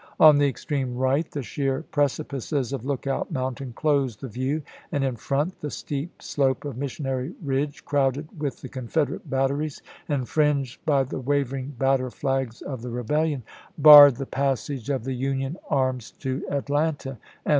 On the extreme right the sheer precipices of Lookout Mountain closed the view, and in front the steep slope of Missionary Ridge, crowded with the Confederate batteries and fringed by the waving battle flags of the rebellion, barred the passage of the Union arms to Atlanta Vol.